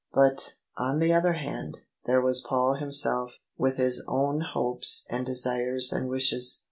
But, on the other hand, there was Paul himself, with his own hopes and desires and wishes.